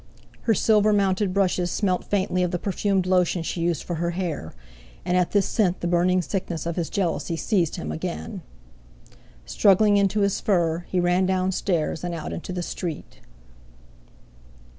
Her silver mounted brushes smelt faintly of the perfumed lotion she used for her hair; and at this scent the burning sickness of his jealousy seized him again. Struggling into his fur, he ran downstairs and out into the street.